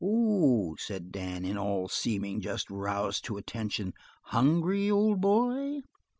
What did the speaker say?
"Oh," said Dan, in all seeming just roused to attention, "hungry, old boy?"